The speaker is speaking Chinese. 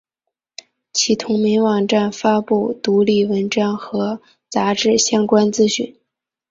其同名网站发布独立文章和杂志相关资讯。